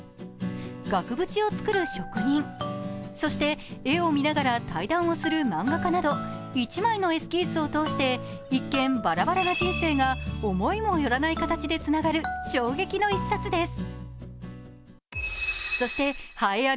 額縁を作る職人、そして、絵を見ながら対談をする漫画家など１枚のエスキースを通して、一見ばらばらな人生が思いも寄らない形でつながる衝撃の１冊です。